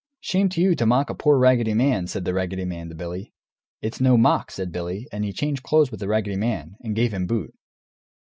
"Shame to you to mock a poor raggedy man!" said the raggedy man to Billy. "It's no mock," said Billy, and he changed clothes with the raggedy man, and gave him boot.